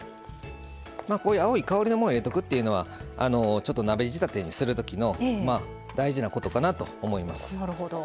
青い香りのものを入れておくっていうのはちょっと鍋仕立てにするときの大事なことかなと思います。